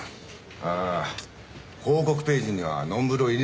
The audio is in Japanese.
ああ広告ページにはノンブルを入れないんです。